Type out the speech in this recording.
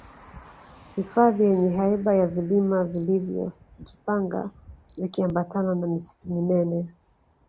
hifadhi yenye haiba ya vilima vilivyo jipanga vikiambatana na misitu minene